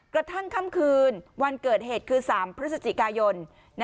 กระทั่งค่ำคืนวันเกิดเหตุคือ๓พฤศจิกายน